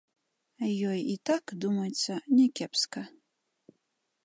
Ёй і так, думаецца, някепска.